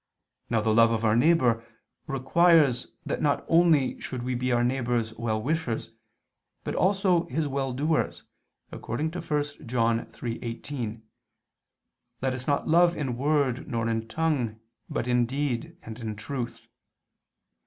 Now the love of our neighbor requires that not only should we be our neighbor's well wishers, but also his well doers, according to 1 John 3:18: "Let us not love in word, nor in tongue, but in deed, and in truth."